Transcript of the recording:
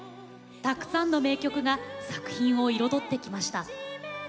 たくさんの作品が彩ってきました。